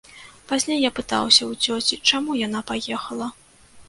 Пазней я пытаўся ў цёці, чаму яна паехала.